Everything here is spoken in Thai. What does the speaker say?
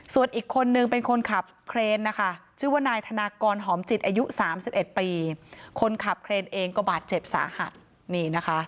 ส่วนอีกคนนึงเป็นคนขับเครนนะคะชื่อว่านายธนากรหอมจิตอายุ๓๑ปี